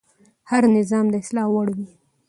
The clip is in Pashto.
هر نظام د اصلاح وړ وي